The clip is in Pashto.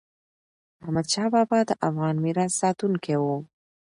احمدشاه بابا د افغان میراث ساتونکی و.